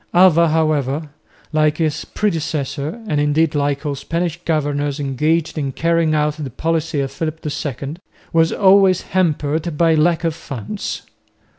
Alva however, like his predecessor and indeed like all Spanish governors engaged in carrying out the policy of Philip II, was always hampered by lack of funds.